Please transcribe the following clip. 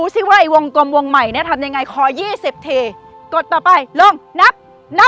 สะโกนออกมา